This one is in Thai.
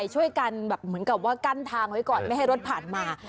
ช่วยกันแบบเหมือนกับว่ากั้นทางไว้ก่อนไม่ให้รถผ่านมา